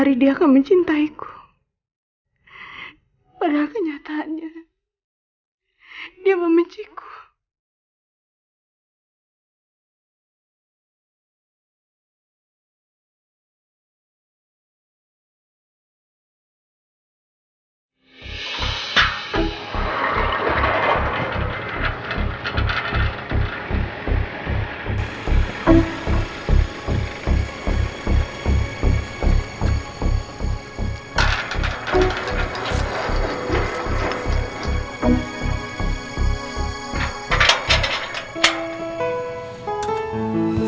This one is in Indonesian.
tidak akan mungkin memberikan cobaan seberat ini